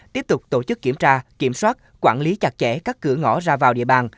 tiếp tục tổ chức kiểm tra kiểm soát quản lý chặt chẽ các cửa ngõ ra vào địa bàn